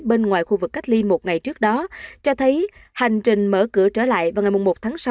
bên ngoài khu vực cách ly một ngày trước đó cho thấy hành trình mở cửa trở lại vào ngày một tháng sáu